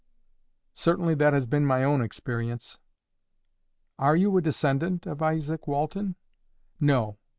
"Certainly that has been my own experience." "Are you a descendant of Izaak Walton?" "No.